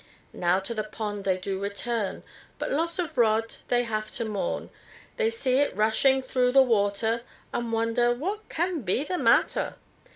Now to the pond they do return, But loss of rod they have to mourn, They see it rushing through the water, And wonder what can be the matter.